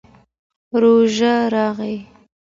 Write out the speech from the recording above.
روژه راغله.